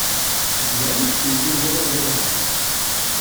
A qui ven, ningú no li dóna l'enhorabona.